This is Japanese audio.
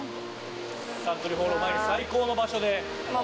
サントリーホールを前に最高の場所で。